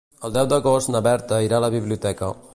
El deu d'agost na Berta irà a la biblioteca.